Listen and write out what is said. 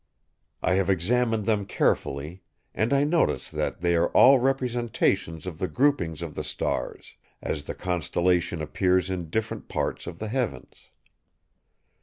I have examined them carefully, and I notice that they are all representations of the grouping of the stars, as the constellation appears in different parts of the heavens.